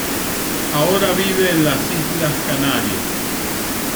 Ahora vive en las Islas Canarias.